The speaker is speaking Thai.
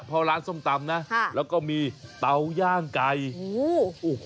พอร้านส้มตำนะแล้วก็มีเตาย่างไก่โห